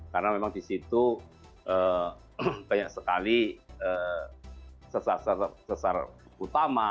karena memang di situ banyak sekali sesar sesar utama